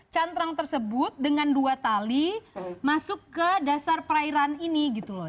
cantrang tersebut dengan dua tali masuk ke dasar perairan ini gitu loh